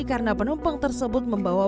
karena penumpang tersebut membawa